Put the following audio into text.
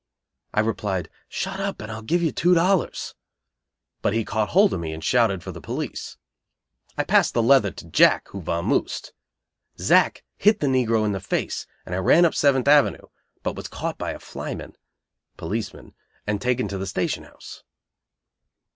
I replied, "Shut up, and I'll give you two dollars." But he caught hold of me and shouted for the police. I passed the leather to Jack, who "vamoosed." Zack hit the negro in the face and I ran up Seventh Avenue, but was caught by a flyman (policeman), and taken to the station house.